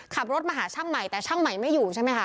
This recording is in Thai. ขับรถมาหาช่างใหม่แต่ช่างใหม่ไม่อยู่ใช่ไหมคะ